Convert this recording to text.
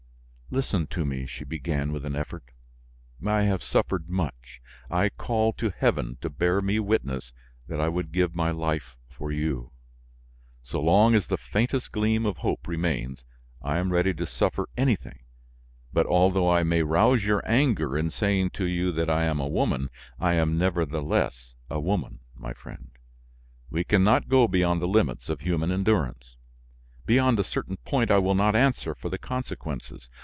"Listen to me," she began with an effort. "I have suffered much, I call to heaven to bear me witness that I would give my life for you. So long as the faintest gleam of hope remains, I am ready to suffer anything; but, although I may rouse your anger in saying to you that I am a woman, I am, nevertheless, a woman, my friend. We can not go beyond the limits of human endurance. Beyond a certain point I will not answer for the consequences.